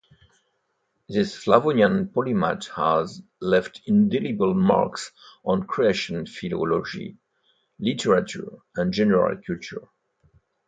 This Slavonian polymath has left indelible marks on Croatian philology, literature and general culture.